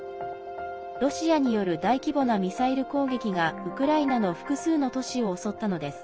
ロシアによる大規模なミサイル攻撃がウクライナの複数の都市を襲ったのです。